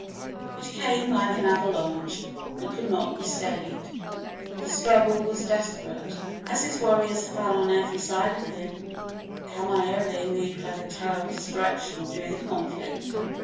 It came like an avalanche and could not be stayed. The struggle was desperate. As his warriors fell on every side of him, Kamaiole moved like a tower of destruction through the conflict.